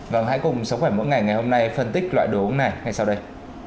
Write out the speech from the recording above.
và hãy cùng sống khỏe mỗi ngày ngày hôm nay phân tích loại đồ uống này ngay sau đây